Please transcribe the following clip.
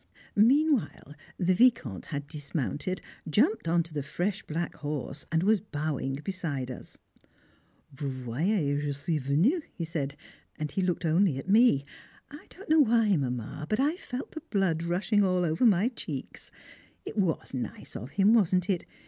Meanwhile the Vicomte had dismounted, jumped on to the fresh black horse, and was bowing beside us. "Vous voyez je suis venu," he said, and he looked only at me. I don't know why, Mamma, but I felt the blood rushing all over my cheeks; it was nice of him, wasn't it?